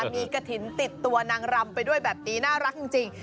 มีกระถิ่นติดตัวนางรำไปด้วยแบบนี้น่ารักจริง